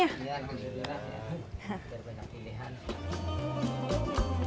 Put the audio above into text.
iya benar benar ya